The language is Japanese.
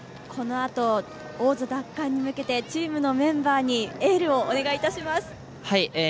このあと、王座奪還に向けてチームのメンバーにエールをお願いします。